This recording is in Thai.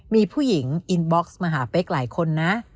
มีผู้หญิงอินบ็อกซ์มาหาเป๊กหลายคนนะ